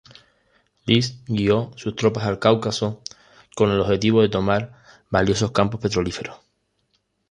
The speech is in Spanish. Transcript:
List guio sus tropas al Cáucaso, con el objetivo de tomar valiosos campos petrolíferos.